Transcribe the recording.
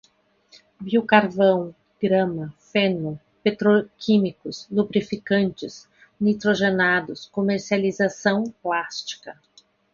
biocarvão, grama, feno, petroquímicos, lubrificantes, nitrogenados, comercialização, plástica